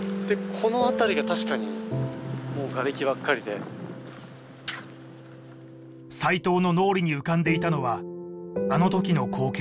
この辺りが確かにもう瓦礫ばっかりで斎藤の脳裏に浮かんでいたのはあの時の光景